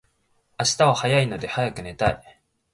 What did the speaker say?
明日は早いので早く寝たい